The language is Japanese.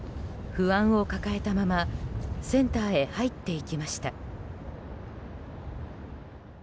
不安を抱えたままセンターへ入っていきました。